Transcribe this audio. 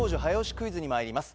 クイズにまいります